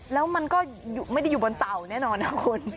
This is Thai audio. แล้วมันก็ไม่ได้อยู่บนเต่าแน่นอนนะคุณ